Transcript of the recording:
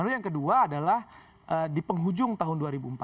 lalu yang kedua adalah di penghujung tahun dua ribu empat belas